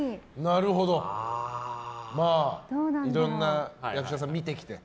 いろんな役者さんを見てきて。